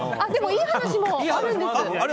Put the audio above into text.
いい話もあるんです。